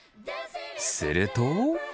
すると。